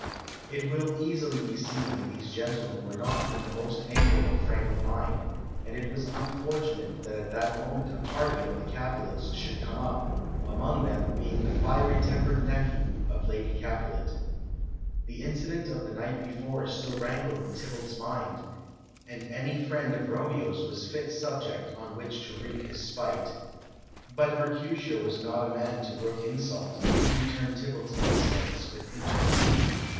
It will easily be seen that these gentlemen were not in the most amiable frame of mind, and it was unfortunate that at that moment a party of the Capulets should come up, among them being the fiery tempered nephew of Lady Capulet. The incident of the night before still rankled in Tybalt's mind, and any friend of Romeo's was fit subject on which to wreak his spite. But Mercutio was not a man to brook insult, and he returned Tybalt's insolence with interest.